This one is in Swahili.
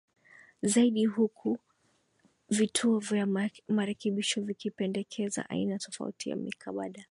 zaidi huku vituo vya marekebisho vikipendekeza aina tofauti za mikabala